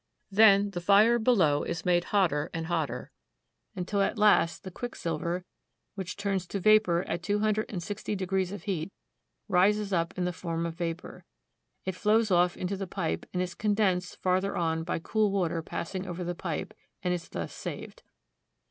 Then the fire below is made hotter and hotter until at last the quicksilver, which turns to vapor at two hundred and sixty degrees of heat, rises up in the form of vapor. It flows off into the pipe, and is condensed farther on by cool water passing over the pipe, and is thus saved.